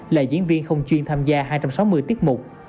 là diễn viên không chuyên tham gia hai trăm sáu mươi tiết mục